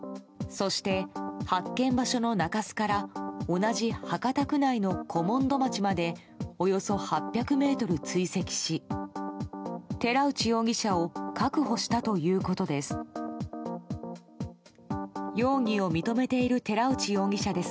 そして、発見場所の中洲から同じ博多区内の古門戸町までおよそ８００ｍ追跡し寺内容疑者を確保したということです。